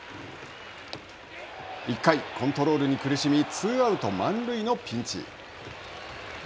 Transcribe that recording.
１回、コントロールに苦しみツーアウト満塁のピンチ。